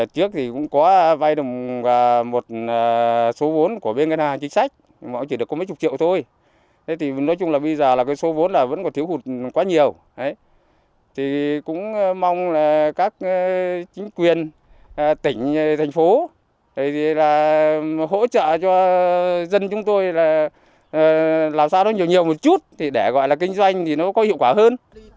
thì cũng mong là các chính quyền tỉnh thành phố hỗ trợ cho dân chúng tôi là làm sao đó nhiều nhiều một chút để gọi là kinh doanh thì nó có hiệu quả hơn